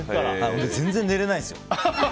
全然寝れないんですよ。